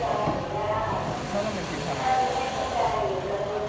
อันนี้มันจากพิเศษกรรเทศ